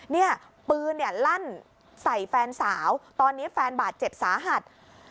เนี่ยปืนเนี่ยลั่นใส่แฟนสาวตอนนี้แฟนบาดเจ็บสาหัส